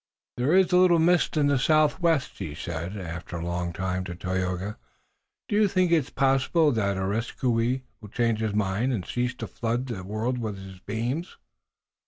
"There is a little mist in the southwest," he said, after a long time, to Tayoga. "Do you think it possible that Areskoui will change his mind and cease to flood the world with beams?"